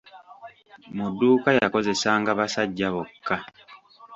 Mu dduuka yakozesanga basajja bokka!